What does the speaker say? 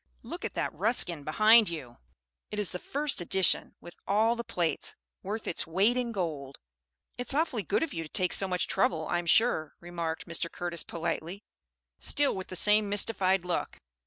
Look at that Ruskin behind you. It is the first edition, with all the plates, worth its weight in gold." "It's awfully good of you to take so much trouble, I'm sure," remarked Mr. Curtis politely, still with the same mystified look.